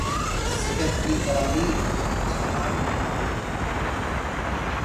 صحت کی تراغیب ہسپتالوں کے ماحول نہیں